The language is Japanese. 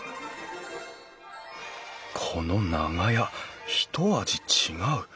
この長屋ひと味違う。